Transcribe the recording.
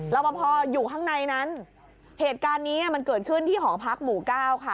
รอปภอยู่ข้างในนั้นเหตุการณ์นี้มันเกิดขึ้นที่หอพักหมู่เก้าค่ะ